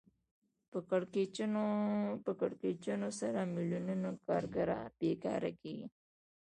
په کړکېچونو سره میلیونونو کارګران بېکاره کېږي